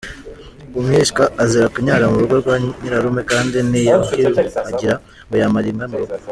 Umwishywa azira kunyara mu rugo kwa Nyirarume, kandi ntiyahiyuhagirira, ngo yamara inka mu rugo.